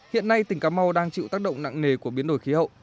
hiện nay tỉnh cà mau đang chịu tác động nặng nề của biến đổi khí hậu